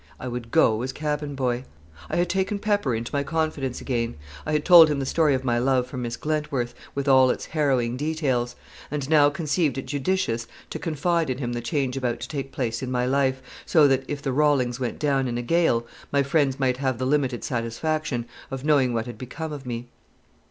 I would go as cabin boy. I had taken Pepper into my confidence again; I had told him the story of my love for Miss Glentworth, with all its harrowing details; and now conceived it judicious to confide in him the change about to take place in my life, so that, if the Rawlings went down in a gale, my friends might have the limited satisfaction of knowing what had become of me.